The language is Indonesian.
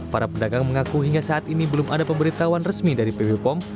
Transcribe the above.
para pedagang mengaku hingga saat ini belum ada pemberitahuan resmi dari pb pom